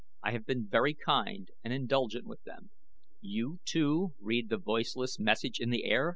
I have been very kind and indulgent with them." "You, too, read the voiceless message in the air?"